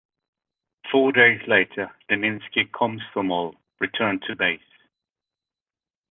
Four days later, "Leninsky Komsomol" returned to base.